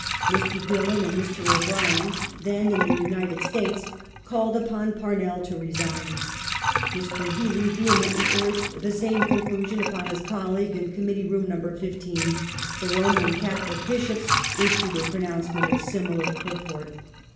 Mr. Dillon and Mr. O'Brien, then in the United States, called upon Parnell to resign ; Mr. Healy vehemently urged the same conclusion upon his colleagues in Committee Room No. 15 ; 1 the Roman Catholic Bishops issued a pronouncement of similar purport.